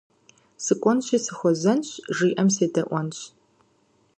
Сыкӏуэнщи сыхуэзэнщ, жиӏэм седэӏуэнщ.